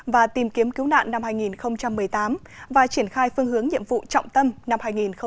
và tìm kiếm cứu nạn năm hai nghìn một mươi tám và triển khai phương hướng nhiệm vụ trọng tâm năm hai nghìn một mươi chín